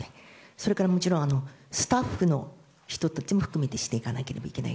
それから、スタッフの人たちも含めてしていかなければいけない。